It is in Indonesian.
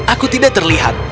aku tidak terlihat